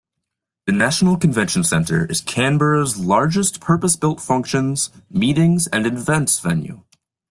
The National Convention Centre is Canberra's largest, purpose-built functions, meetings and events venue.